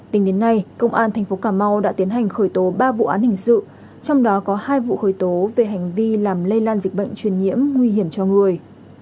tính đến nay công an tp cà mau đã tiến hành khởi tố ba vụ án hình sự trong đó có hai vụ khởi tố về hành vi làm lây lan dịch bệnh truyền nhiễm nguy hiểm cho người